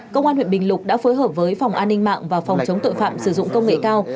công an huyện bình lục đã phối hợp với phòng an ninh mạng và phòng chống tội phạm sử dụng công nghệ cao